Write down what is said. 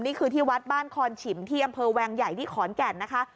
นี่คือที่วัดบ้านคอนฉิมที่อำเภอแวงใหญ่ที่ขอนแก่นนะคะ